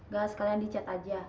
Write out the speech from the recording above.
gak harus kalian dicat aja